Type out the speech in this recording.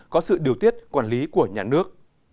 có sự điều tiết quản lý của nhà nước